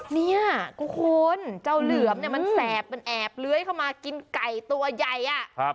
เนี่ยก็คุณเจ้าเหลือมเนี่ยมันแสบมันแอบเลื้อยเข้ามากินไก่ตัวใหญ่อ่ะ